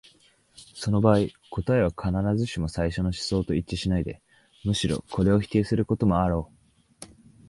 その場合、答えは必ずしも最初の思想と一致しないで、むしろこれを否定することもあろう。